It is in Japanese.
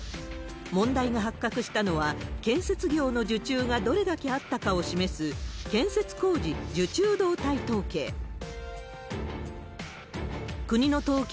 問題が発覚したのは、建設業の受注がどれだけあったかを示す、建設工事受注動態統計。